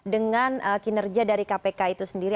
dengan kinerja dari kpk itu sendiri